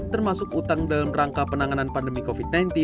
termasuk utang dalam rangka penanganan pandemi covid sembilan belas